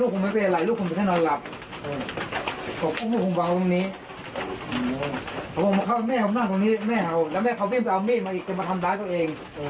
ผมมาเข้าแม่เขาก็มาตรงนี้แม่เขาแม่เขาก็บินแม่เขาเอามีดมาอีกจะก็มาทำร้านตัวเอง